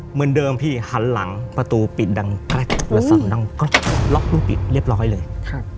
เหมือนเดิมพี่หันหลังประตูปิดดังแล้วสั่นดังก็ล็อกลูกปิดเรียบร้อยเลย